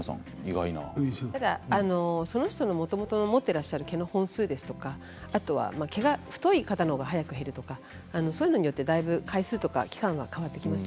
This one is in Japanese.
その人のもともと持っている、毛の本数ですとか毛が太い方のほうが早く減るとかそういうことによって回数や期間は変わってきます。